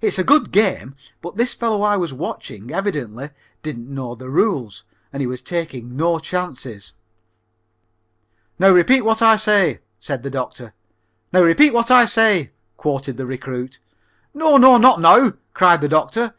It's a good game, but this fellow I was watching evidently didn't know the rules and he was taking no chances. "Now repeat what I say," said the doctor. "'Now repeat what I say,'" quoted the recruit. "No, no, not now," cried the doctor.